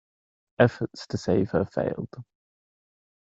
Efforts to save her failed.